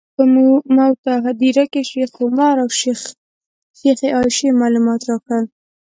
په موته هدیره کې شیخ عمر او شیخې عایشې معلومات راکړل.